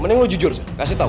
mending lo jujur sih kasih tau